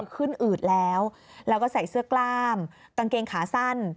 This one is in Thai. อืดแล้วแล้วก็ใส่เสื้อกล้ามกางเกงขาสั้น